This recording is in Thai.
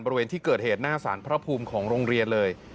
บริเวณที่เกิดเหตุหน้าสารพระภูมิของโรงเรียนเลย